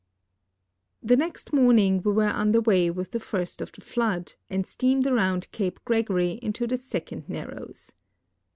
The next morning Ave were under Avay Avith the first of the flood, and steamed around Cape Gregory into the second nar roAVS.